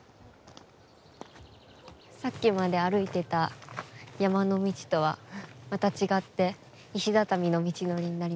さっきまで歩いてた山の道とはまた違って石畳の道のりになりましたね。